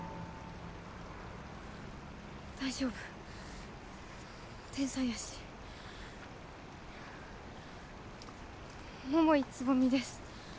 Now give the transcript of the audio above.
大丈夫天才やし桃井蕾未です